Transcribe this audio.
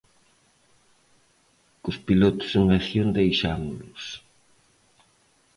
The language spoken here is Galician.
Cos pilotos en acción deixámolos.